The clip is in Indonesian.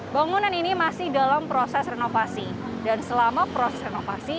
bangunan ini masih dalam proses renovasi dan selama proses renovasi